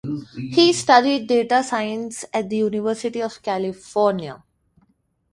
He studied Data Science at the University of California, Irvine